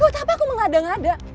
buat apa aku mengada ada